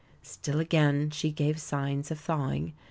Still again she gave signs of thawing.